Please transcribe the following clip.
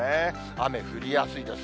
雨降りやすいです。